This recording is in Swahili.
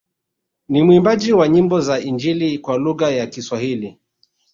Ni mwimbaji wa nyimbo za injili kwa lugha ya Kiswahili